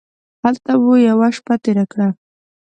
هلته مو یوه شپه تېره کړه.